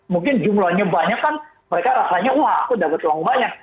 mungkin jumlahnya banyak kan mereka rasanya wah aku dapat uang banyak